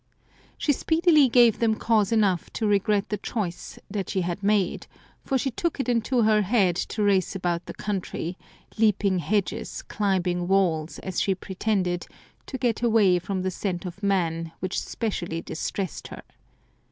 She speedily gave them cause enough to regret the choice she had made, for she took it into her head to race about the country, leaping hedges, climbing walls, as she pretended, to get away from the scent of men, which specially distressed her.